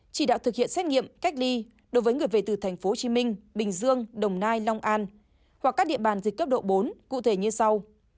chỉ đạo thực hiện xét nghiệm cách ly đối với người về từ thành phố hồ chí minh bình dương đồng nai long an hoặc các địa bàn dịch cấp độ bốn cụ thể như sau